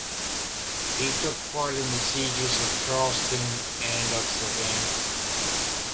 He took part in the sieges of Charleston and of Savannah.